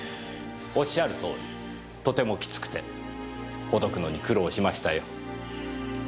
おっしゃるとおりとてもきつくてほどくのに苦労しましたよ。